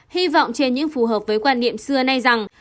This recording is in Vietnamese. hy vọng trên những phù hợp với quan niệm xưa nay rằng